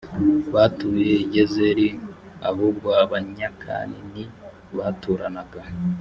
batuye i gezeri ahubwo abanyakan ni baturanaga